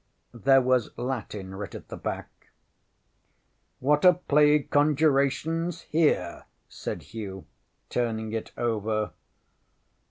There was Latin writ at the back. ŌĆśŌĆ£What a plague conjurationŌĆÖs here? ŌĆØ said Hugh, turning it over.